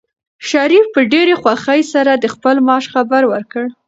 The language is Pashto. شریف په ډېرې خوښۍ سره د خپل معاش خبر ورکړ.